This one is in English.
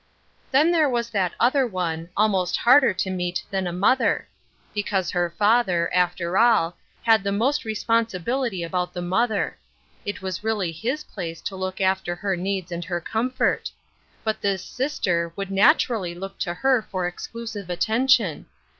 Then there was that other one, almost harder to meet than a mother ; because her father, after all, had the most responsibility about the mother; it was really his place to look after her needs and her comfort. But this sister would naturally look to her for exclusive attention.